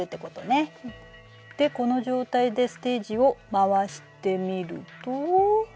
この状態でステージを回してみると。